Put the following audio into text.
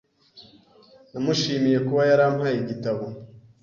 Namushimiye kuba yarampaye igitabo.